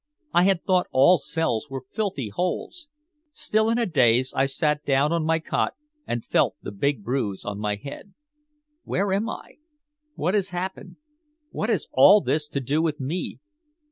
I had thought all cells were filthy holes. Still in a daze, I sat down on my cot and felt the big bruise on my head. "Where am I? What has happened? What has all this to do with me?